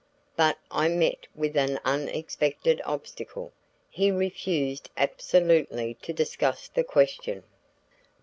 But I met with an unexpected obstacle. He refused absolutely to discuss the question.